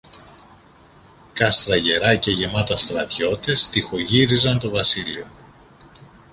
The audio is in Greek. κάστρα γερά και γεμάτα στρατιώτες τειχογύριζαν το βασίλειο.